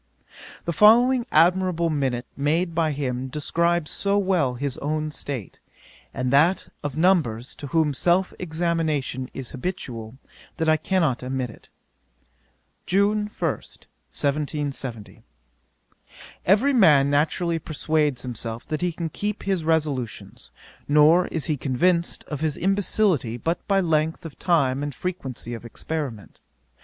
The following admirable minute made by him describes so well his own state, and that of numbers to whom self examination is habitual, that I cannot omit it: 'June 1, 1770. Every man naturally persuades himself that he can keep his resolutions, nor is he convinced of his imbecility but by length of time and frequency of experiment.